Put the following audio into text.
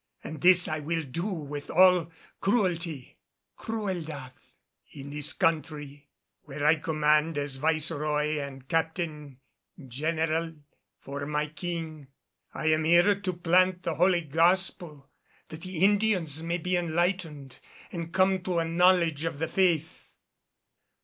And this I will do with all cruelty (crueldad) in this country, where I command as Viceroy and Captain General for my King. I am here to plant the Holy Gospel, that the Indians may be enlightened and come to a knowledge of the faith."